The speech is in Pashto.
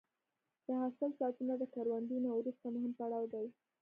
د حاصل ساتنه له کروندې نه وروسته مهم پړاو دی.